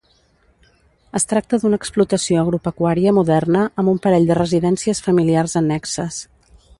Es tracta d'una explotació agropecuària moderna amb un parell de residències familiars annexes.